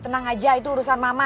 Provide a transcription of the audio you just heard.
tenang aja itu urusan mama